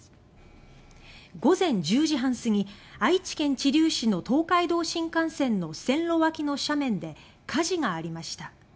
午前１０時半すぎ愛知県知立市の東海道新幹線の線路脇の斜面で火事がありました。